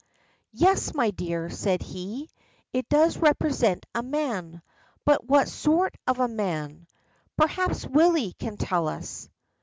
"Yes, my dear," said he, "it does represent a man; but what sort of man? Perhaps Willie can tell us."